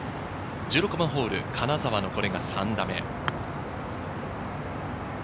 １６番ホール、金澤のこれが３打目。